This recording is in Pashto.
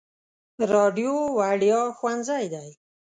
راډیو وړیا ښوونځی دی.